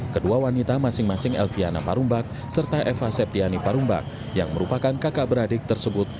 kedua wanita masing masing elviana parumbak serta eva septiani parumbak yang merupakan kakak beradik tersebut